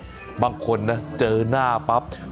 หมอกิตติวัตรว่ายังไงบ้างมาเป็นผู้ทานที่นี่แล้วอยากรู้สึกยังไงบ้าง